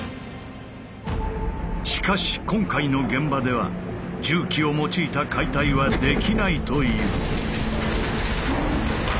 しかし今回の現場では重機を用いた解体はできないという。